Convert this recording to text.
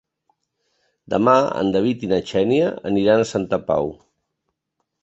Demà en David i na Xènia aniran a Santa Pau.